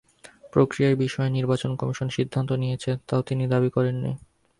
প্রক্রিয়ার বিষয়ে নির্বাচন কমিশন সিদ্ধান্ত নিয়েছে, তাও তিনি দাবি করেননি।